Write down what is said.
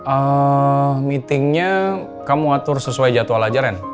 ehm meetingnya kamu atur sesuai jadwal aja ren